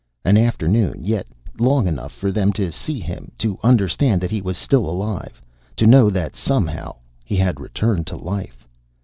An afternoon. Yet long enough for them to see him, to understand that he was still alive. To know that somehow he had returned to life.